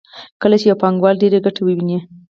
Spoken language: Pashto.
کله چې یو پانګوال ډېره ګټه وویني